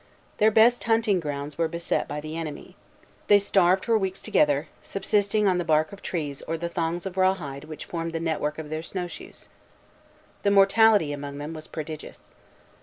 Their best hunting grounds were beset by the enemy. They starved for weeks together, subsisting on the bark of trees or the thongs of raw hide which formed the net work of their snow shoes. The mortality among them was prodigious.